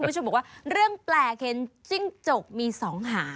คุณผู้ชมบอกว่าเรื่องแปลกเห็นจิ้งจกมีสองหาง